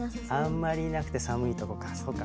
あんまりいなくて寒いとこかそうか。